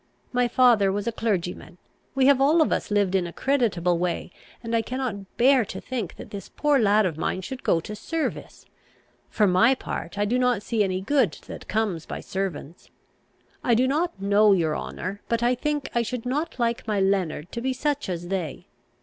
My father was a clergyman. We have all of us lived in a creditable way; and I cannot bear to think that this poor lad of mine should go to service. For my part, I do not see any good that comes by servants. I do not know, your honour, but, I think, I should not like my Leonard to be such as they.